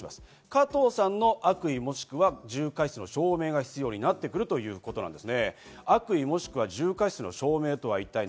加藤さんの悪意、もしくは重過失の証明が必要になってくるということです。